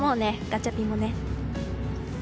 ガチャピンもね。